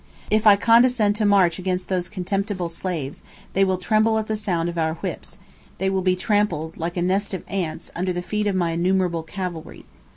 If I condescend to march against those contemptible slaves, they will tremble at the sound of our whips; they will be trampled, like a nest of ants, under the feet of my innumerable cavalry.